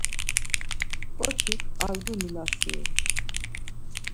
Ǩoçik arguni lasirums.